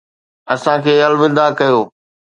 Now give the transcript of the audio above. اسان کي الوداع ڪيو